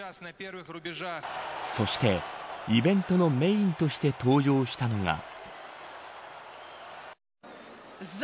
そして、イベントのメインとして登場したのが。